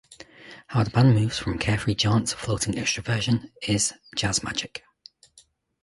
How the band moves from carefree jaunt to floating extroversion is jazz magic.